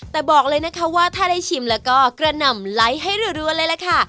แต่บอกเลยนะคะว่าถ้าได้ชิมแล้วก็กระหน่ำไลค์ให้รัวเลยล่ะค่ะ